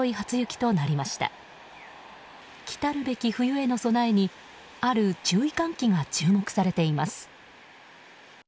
きたるべき冬への備えにある注意喚起が注目されています。